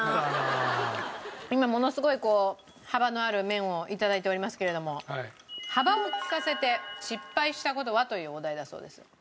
今ものすごい幅のある麺を頂いておりますけれども幅を利かせて失敗した事は？というお題だそうです。